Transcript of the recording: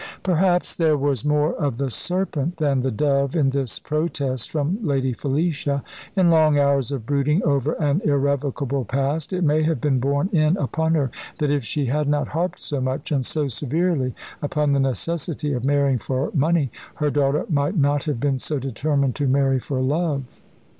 Perhaps there was more of the serpent than the dove in this protest from Lady Felicia. In long hours of brooding over an irrevocable past it may have been borne in upon her that if she had not harped so much, and so severely, upon the necessity of marrying for money, her daughter might not have been so determined to marry for love.